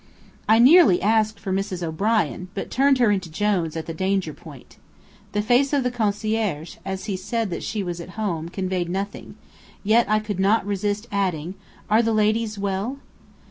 I nearly asked for Mrs. O'Brien, but turned her into Jones at the danger point. The face of the concierge, as he said that she was at home, conveyed nothing, yet I could not resist adding, "Are the ladies well?"